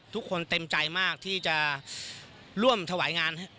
ทุกคนเต็มใจมากที่จะร่วมถวายงาน